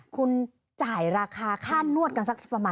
คุณจ่ายราคาค่านวดกันสักประมาณ